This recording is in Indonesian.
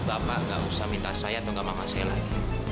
sekarang bapak gak usah minta saya atau gak mau saya lagi